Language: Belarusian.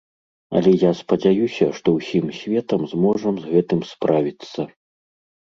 Але я спадзяюся, што ўсім светам зможам з гэтым справіцца.